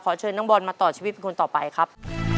เชิญน้องบอลมาต่อชีวิตเป็นคนต่อไปครับ